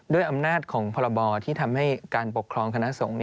ด้วยอำนาจของพรบที่ทำให้การปกครองคณะสงฆ์